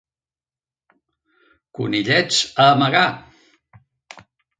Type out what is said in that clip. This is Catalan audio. Conillets a amagar!